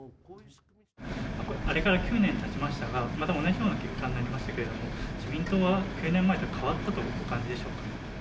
あれから９年たちましたがまた同じような結果になりましたけれども自民党は９年前と変わったとお感じでしょうか？